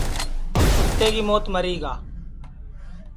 کُتے کی موت مری گا